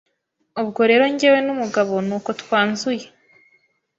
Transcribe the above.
ubwo rero njyewe n’umugabo nuko twanzuye